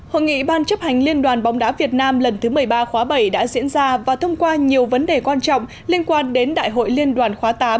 hội nghị ban chấp hành liên đoàn bóng đá việt nam lần thứ một mươi ba khóa bảy đã diễn ra và thông qua nhiều vấn đề quan trọng liên quan đến đại hội liên đoàn khóa tám